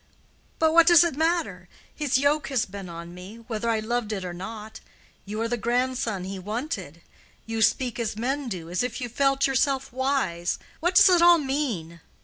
But what does it matter? His yoke has been on me, whether I loved it or not. You are the grandson he wanted. You speak as men do—as if you felt yourself wise. What does it all mean?"